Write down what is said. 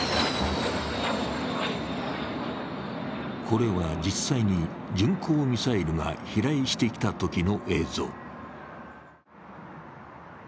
これは実際に巡航ミサイルが飛来してきたときの映像。